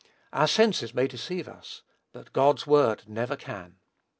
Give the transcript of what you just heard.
Our senses may deceive us, but God's word never can.